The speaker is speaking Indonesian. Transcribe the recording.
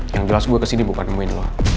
yang jelas gue kesini bukan nemuin loh